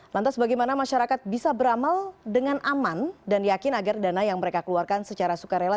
lantas bagaimana masyarakat bisa beramal dengan aman dan yakin agar dana yang mereka keluarkan secara sukarela